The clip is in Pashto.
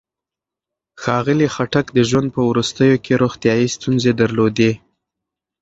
ښاغلي خټک د ژوند په وروستیو کې روغتيايي ستونزې درلودې.